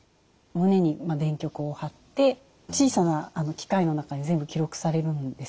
胸に電極を貼って小さな機械の中に全部記録されるんです。